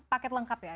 paket lengkap ya